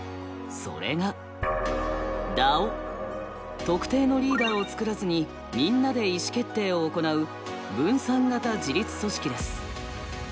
それが特定のリーダーを作らずにみんなで意思決定を行う「分散型自律組織」です。